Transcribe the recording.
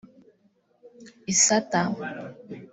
Isata